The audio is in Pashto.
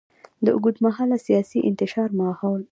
د اوږدمهاله سیاسي انتشار ماحول.